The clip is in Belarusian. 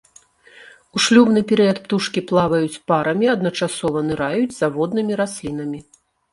У шлюбны перыяд птушкі плаваюць парамі, адначасова ныраюць за воднымі раслінамі.